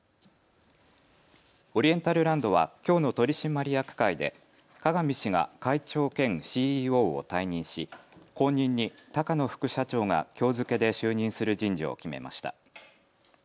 オリエンタルランドはきょうの取締役会で加賀見氏が会長兼ＣＥＯを退任し後任に高野副社長がきょう付けで就任する人事を決めました。